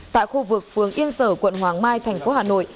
tại khu vực phường yên sở quận hoàng mai thành phố hà nội